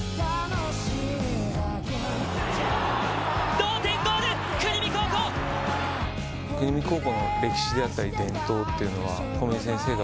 同点ゴール、国見高校。